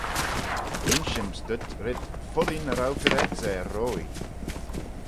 Inshym's dhyt red foddee nagh row fys ayd's er roïe.